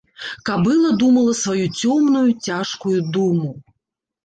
Кабыла думала сваю цёмную, цяжкую думу.